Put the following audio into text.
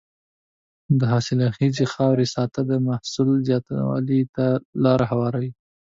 د حاصلخیزې خاورې ساتنه د محصول زیاتوالي ته لاره هواروي.